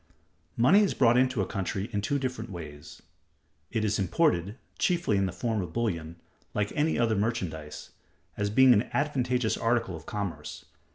Money is brought into a country in two different ways. It is imported (chiefly in the form of bullion) like any other merchandise, as being an advantageous article of commerce.